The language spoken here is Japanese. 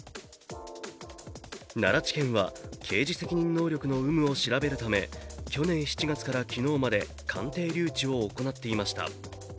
奈良地検は、刑事責任能力の有無を調べるため去年７月から昨日まで鑑定留置を行っていました。